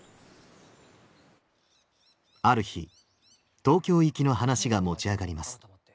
ある日東京行きの話が持ち上がります。